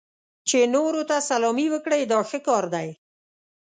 چې نورو ته سلامي وکړئ دا ښه کار دی.